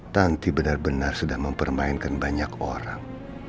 tanti benar benar sudah mempermainkan banyak orang